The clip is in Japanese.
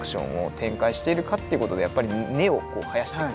展開しているかっていうことでやっぱり根を生やしている。